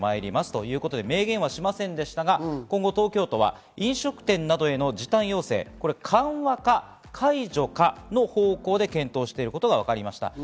明言はしませんでしたが今後東京都は飲食店などへの時短要請、緩和か解除かの方向で検討していることがわかりました。